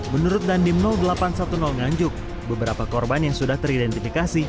menurut dandim delapan ratus sepuluh nganjuk beberapa korban yang sudah teridentifikasi